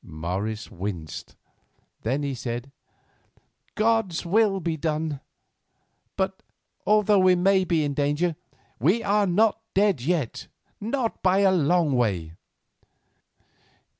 Morris winced; then he said: "God's will be done. But although we may be in danger, we are not dead yet; not by a long way."